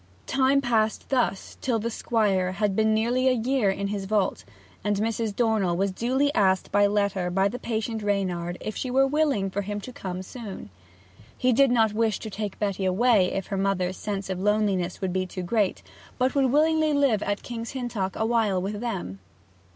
Time passed thus till the Squire had been nearly a year in his vault; and Mrs. Dornell was duly asked by letter by the patient Reynard if she were willing for him to come soon. He did not wish to take Betty away if her mother's sense of loneliness would be too great, but would willingly live at King's Hintock awhile with them.